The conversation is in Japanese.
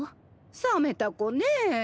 冷めた子ねぇ。